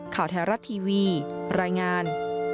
ข่าวไทยรัฐทีวีรายงาน